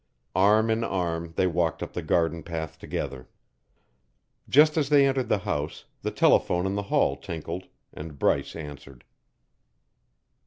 Arm in arm they walked up the garden path together. Just as they entered the house, the telephone in the hall tinkled, and Bryce answered.